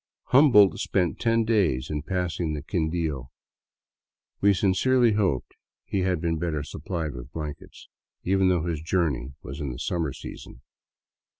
Humboldt spent ten days in passing the Quindio, we sincerely hoped he had been better suppHed with blankets, even though his journey was in the summer season.